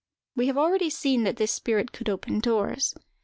We have already seen that this spirit could open doors.